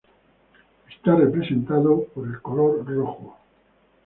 Está representado por el color rojo.